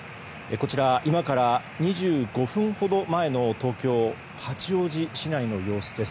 こちら今から２５分前の東京・八王子市内の様子です。